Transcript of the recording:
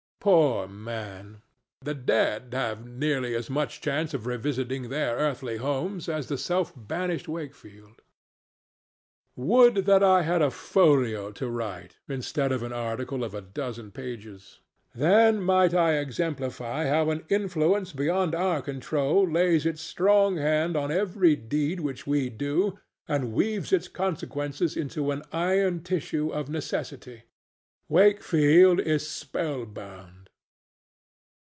Poor man! The dead have nearly as much chance of revisiting their earthly homes as the self banished Wakefield. Would that I had a folio to write, instead of an article of a dozen pages! Then might I exemplify how an influence beyond our control lays its strong hand on every deed which we do and weaves its consequences into an iron tissue of necessity. Wakefield is spellbound.